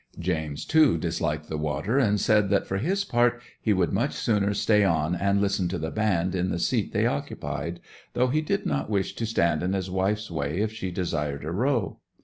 James, too, disliked the water, and said that for his part he would much sooner stay on and listen to the band in the seat they occupied, though he did not wish to stand in his wife's way if she desired a row.